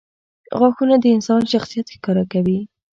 • غاښونه د انسان شخصیت ښکاره کوي.